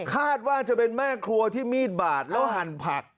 คาดว่าจะเป็นแม่ครัวที่มีดบาดแล้วหั่นผัก